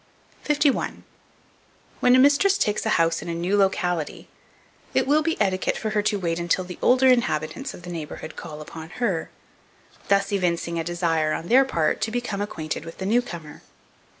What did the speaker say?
51. WHEN A MISTRESS TAKES A HOUSE in a new locality, it will be etiquette for her to wait until the older inhabitants of the neighbourhood call upon her; thus evincing a desire, on their part, to become acquainted with the new comer.